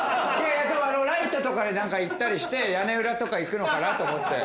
ライトとかでなんか行ったりして屋根裏とか行くのかなと思って。